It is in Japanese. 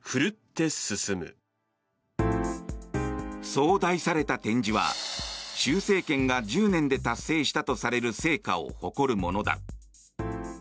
そう題された展示は習政権が１０年で達成したとされる成果を誇るものだ。